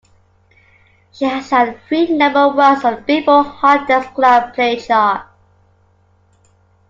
She has had three number ones on the "Billboard" Hot Dance Club Play chart.